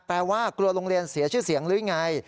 แปลว่ากลัวโรงเรียนเสียชื่อเสียงหรือยังไง